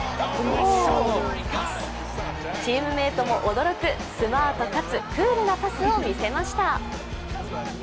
チームメートも驚くスマートかつクールなパスを見せました。